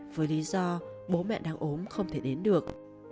với lý do bố mẹ đang ốm không thể đến được